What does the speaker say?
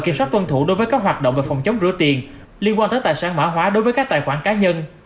kiểm soát tuân thủ đối với các hoạt động về phòng chống rửa tiền liên quan tới tài sản mã hóa đối với các tài khoản cá nhân